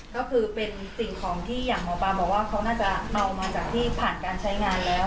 ก็คือเป็นสิ่งของที่อย่างหมอปลาบอกว่าเขาน่าจะเมามาจากที่ผ่านการใช้งานแล้ว